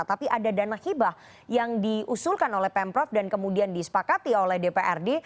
tapi ada dana hibah yang diusulkan oleh pemprov dan kemudian disepakati oleh dprd